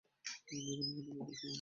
যে কোন মুহূর্তে বিপদের সম্ভাবনা।